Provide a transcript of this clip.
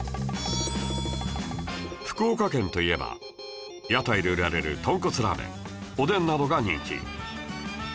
福岡県といえば屋台で売られる豚骨ラーメンおでんなどが人気